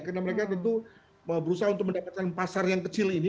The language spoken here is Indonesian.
karena mereka tentu berusaha untuk mendapatkan pasar yang kecil ini